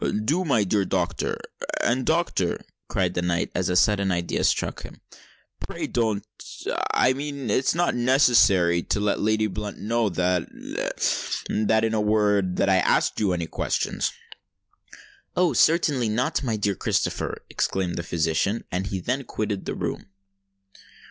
"Do, my dear doctor. And, doctor," cried the Knight, as a sudden idea struck him; "pray don't—I mean, it is not necessary to let Lady Blunt know that—that—in a word—that I asked you any questions——" "Oh! certainly not, my dear Sir Christopher," exclaimed the physician; and he then quitted the room.